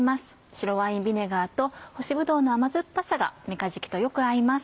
白ワインビネガーと干しぶどうの甘酸っぱさがめかじきとよく合います。